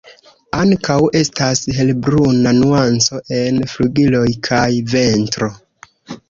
Ankaŭ estas helbruna nuanco en flugiloj kaj ventro.